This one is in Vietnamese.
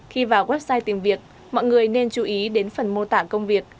khi vào website tìm việc mọi người nên chú ý đến phần mô tả công việc